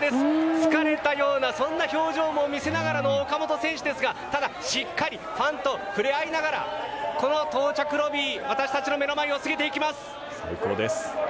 疲れたような表情も見せながらの岡本選手ですがただしっかりファンと触れ合いながらこの到着ロビー私たちの目の前を過ぎていきます。